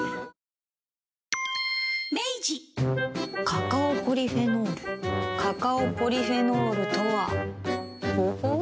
カカオポリフェノールカカオポリフェノールとはほほう。